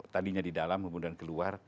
tadinya di dalam kemudian keluar